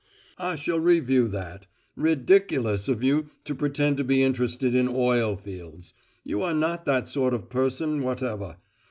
I shall review that: ridiculous of you to pretend to be interested in oil fields. You are not that sort of person whatever.